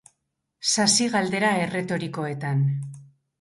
Sasi-galdera erretorikoetan.